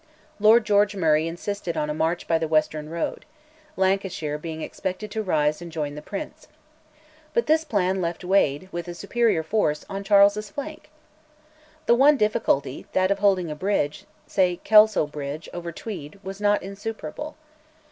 Lord George Murray insisted on a march by the western road, Lancashire being expected to rise and join the Prince. But this plan left Wade, with a superior force, on Charles's flank! The one difficulty, that of holding a bridge, say Kelso Bridge, over Tweed, was not insuperable.